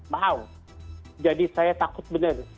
mau jadi saya takut benar